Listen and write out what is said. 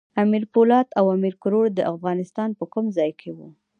امیر پولاد او امیر کروړ د افغانستان په کوم ځای کې وو؟